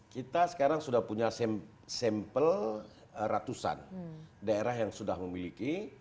kita sekarang sudah punya sampel ratusan daerah yang sudah memiliki